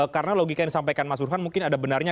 karena logika yang disampaikan mas burfan mungkin ada benarnya